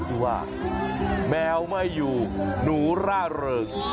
ที่ว่าแมวไม่อยู่หนูร่าเริง